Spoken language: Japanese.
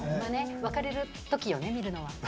別れるときよね、見るのは。